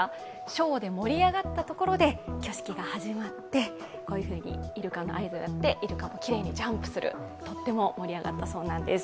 ショーで盛り上がったところで、挙式が始まってこういうふうにイルカが合図できれいにジャンプするとっても盛り上がったそうなんです。